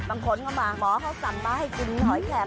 บางคนเข้ามาหมอเขาสั่งมาให้กินหอยแขก